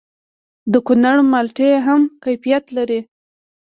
د کونړ مالټې هم کیفیت لري.